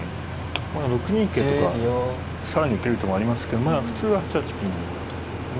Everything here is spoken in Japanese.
まあ６二桂とか更に受ける手もありますけどまあ普通は８八金だと思うんですね。